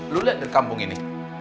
lu lihat deh kampung ini